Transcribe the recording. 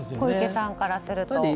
小池さんからすると。